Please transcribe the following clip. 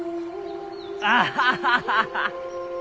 アハハハハ！